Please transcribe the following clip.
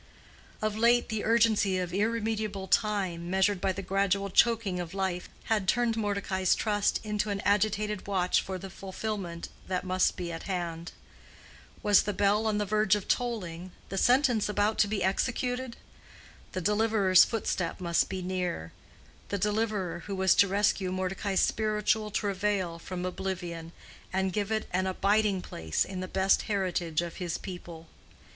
Of late the urgency of irremediable time, measured by the gradual choking of life, had turned Mordecai's trust into an agitated watch for the fulfillment that must be at hand. Was the bell on the verge of tolling, the sentence about to be executed? The deliverer's footstep must be near—the deliverer who was to rescue Mordecai's spiritual travail from oblivion, and give it an abiding place in the best heritage of his people.